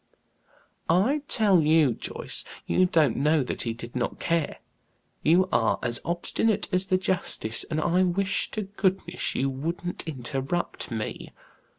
"I tell you, Joyce, you don't know that he did not care. You are as obstinate as the justice, and I wish to goodness you wouldn't interrupt me.